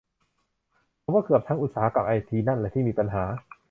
ผมว่าเกือบทั้งอุตสาหกรรมไอทีนั่นแหละที่มีปัญหา